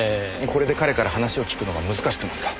これで彼から話を聞くのが難しくなった。